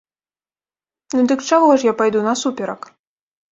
Ну, дык чаго ж я пайду насуперак?!